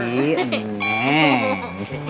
iya aduh neng